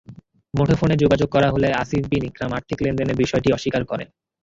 মুঠোফোনে যোগাযোগ করা হলে আসিফ বিন ইকরাম আর্থিক লেনদেনের বিষয়টি অস্বীকার করেন।